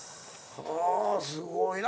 ああすごいな。